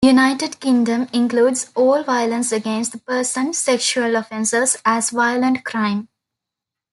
The United Kingdom includes all violence against the person, sexual offences, as violent crime.